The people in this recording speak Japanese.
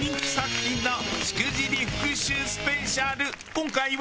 今回は。